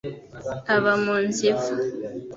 aba mu nzu iva,